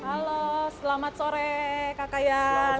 halo selamat sore kakak yan